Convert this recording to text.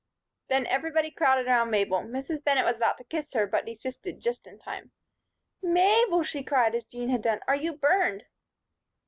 Then everybody crowded around Mabel. Mrs. Bennett was about to kiss her, but desisted just in time. "Mabel!" she cried, as Jean had done. "Are you burned?"